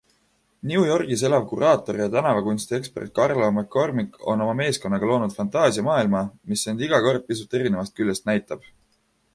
New Yorgis elav kuraator ja tänavakunstiekspert Carlo McCormic on oma meeskonnaga loonud fantaasiamaailma, mis end iga kord pisut erinevast küljest näitab.